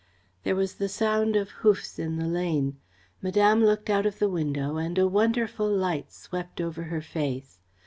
There was the sound of hoofs in the lane. Madame looked out of the window and a wonderful light swept over her face.